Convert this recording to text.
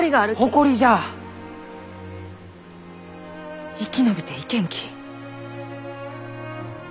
誇りじゃ生き延びていけんき。